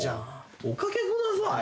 おかけください。